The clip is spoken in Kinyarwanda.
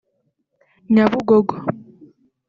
Nyabugogo